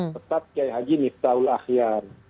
tetap kiai haji niftaul ahyan